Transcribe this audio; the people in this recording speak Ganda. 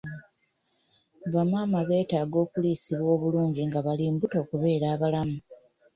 Bamaama beetaaga okuliisibwa obulungi nga bali mbuto okubeera abalamu.